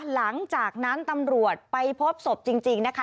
หลังจากนั้นตำรวจไปพบศพจริงนะคะ